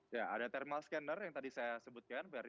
ya ada thermal scanner yang tadi saya sebutkan ferry